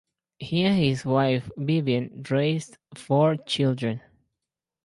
He and his wife Vivien raised four children.